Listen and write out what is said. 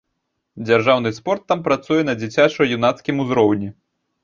Дзяржаўны спорт там працуе на дзіцяча-юнацкім узроўні.